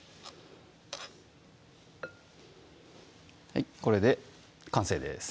はいこれで完成です